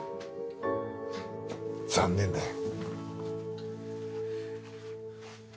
残念だよ。